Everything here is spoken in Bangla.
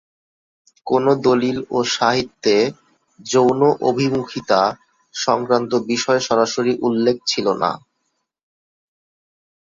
কোনো দলিল এবং সাহিত্যে, যৌন অভিমুখিতা সংক্রান্ত বিষয়, সরাসরি উল্লেখ ছিল না।